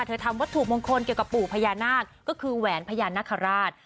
ทำวัตถุมงคลเกี่ยวกับปู่พญานาคก็คือแหวนพญานาคาราช